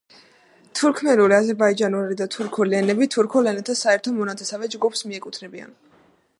თურქმენული, აზერბაიჯანული და თურქული ენები თურქულ ენათა საერთო მონათესავე ჯგუფს მიეკუთვნებიან.